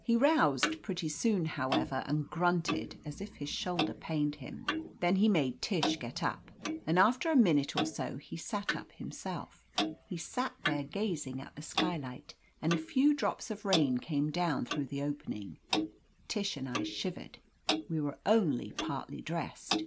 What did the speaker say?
He roused pretty soon, however, and grunted as if his shoulder pained him. Then he made Tish get up, and after a minute or so he sat up himself. He sat there gazing at the skylight, and a few drops of rain came down through the opening. Tish and I shivered. We were only partly dressed.